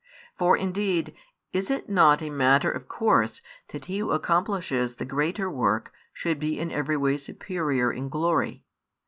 For indeed, is it not a matter of course that he who accomplishes the greater work should be in every way superior in glory?